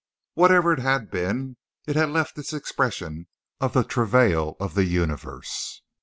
Whatever it had been, it had left its expression of the travail of the universe.